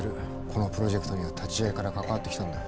このプロジェクトには立ち上げから関わってきたんだ。